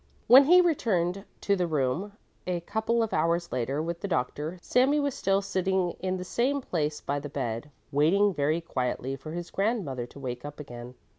When he returned to the room a couple of hours later with the doctor, Sami was still sitting in the same place by the bed, waiting very quietly for his grandmother to wake up again.